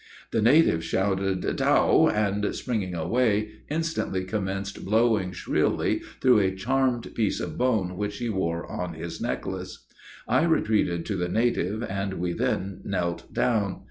The native shouted "Tao," and, springing away, instantly commenced blowing shrilly through a charmed piece of bone which he wore on his necklace. I retreated to the native, and we then knelt down.